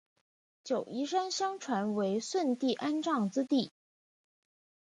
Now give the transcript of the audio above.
九嶷山相传为舜帝安葬之地。